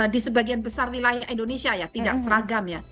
di sebagian besar wilayah indonesia ya tidak seragam ya